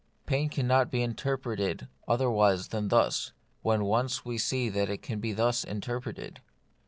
Pain cannot be inter preted otherwise than thus, when once we see that it can be thus interpreted.